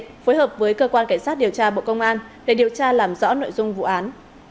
phối hợp với cơ quan cảnh sát điều tra bộ công an để điều tra làm rõ nội dung vụ án